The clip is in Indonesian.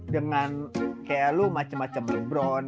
dengan kayak lu macem macem lebron